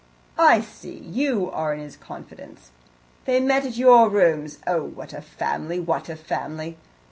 "I see you are in his confidence. They met at your rooms. Oh, what a family, what a family!